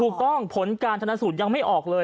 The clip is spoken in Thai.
ถูกต้องผลการชาญสูตรยังไม่ออกเลย